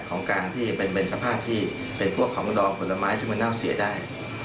ของการที่เป็นสภาพที่เป็นพวกของดองผลไม้ซึ่งมันเน่าเสียได้